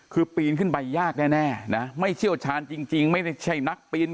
คือปีนขึ้นไปยากแน่นะไม่เชี่ยวชาญจริงไม่ใช่นักปีน